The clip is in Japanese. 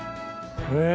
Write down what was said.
へえ。